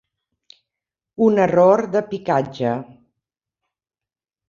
Un error de picatge.